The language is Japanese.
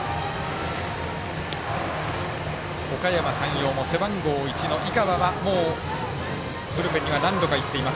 おかやま山陽も背番号１の井川はもうブルペンには何度か行っています。